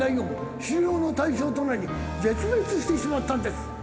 狩猟の対象となり絶滅してしまったんです。